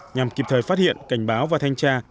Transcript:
nhằm kịp thời phát hiện cảnh báo và thanh tra